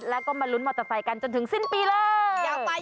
แล้วก็มารุ้นหมดฝ่ายกันจนถึงสิ้นปีเลย